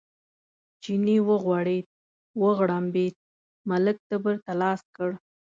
چیني وغورېد، وغړمبېد، ملک تبر ته لاس کړ.